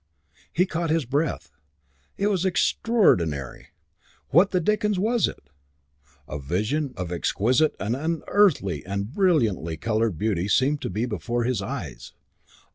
He caught his breath. It was extraordinary. What the dickens was it? A vision of exquisite and unearthly and brilliantly coloured beauty seemed to be before his eyes.